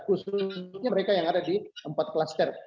khususnya mereka yang ada di empat klaster